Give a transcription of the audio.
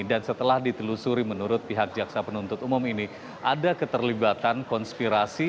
dan setelah ditelusuri menurut pihak jaksa penuntut umum ini ada keterlibatan konspirasi